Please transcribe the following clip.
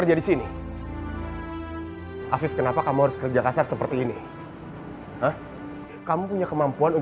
afif mama perlu obat afif